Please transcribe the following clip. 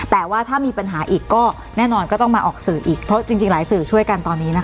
แต่ว่าถ้ามีปัญหาอีกก็แน่นอนก็ต้องมาออกสื่ออีกเพราะจริงหลายสื่อช่วยกันตอนนี้นะคะ